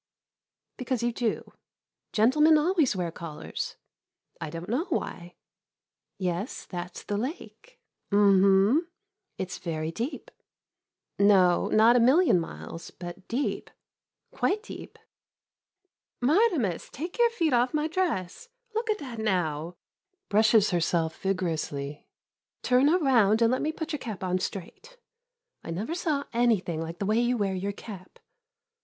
Because you do. Gentlemen always wear collars. I don't know why. Yes, that 's the 53 MODERN MONOLOGUES lake. Um hum — it 's very deep. No — not a million miles, but deep — quite deep. [In dignantly.] Martimas — take your feet off my dress. Look at that, now. [Brushes herself vigorously.] Turn around and let me put your cap on straight. I never saw anything like the way you wear your cap.